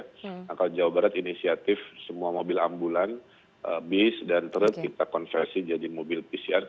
nah kalau jawa barat inisiatif semua mobil ambulan bis dan truk kita konversi jadi mobil pcr